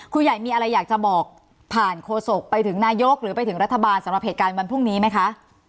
ผู้ใหญ่มีอะไรอยากจะบอกผ่านโฆษกไปถึงนายกหรือไปถึงรัฐบาลสำหรับเหตุการณ์วันพรุ่งนี้ไหมคะ